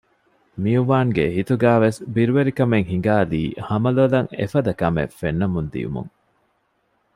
މިއުވާންގެ ހިތުގައިވެސް ބިރުވެރިކަމެއް ހިނގާލީ ހަމަލޮލަށް އެފަދަ ކަމެއް ފެންނަމުން ދިއުމުން